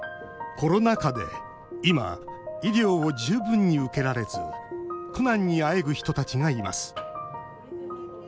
コロナ禍で今医療を十分に受けられず苦難にあえぐ人たちがいます。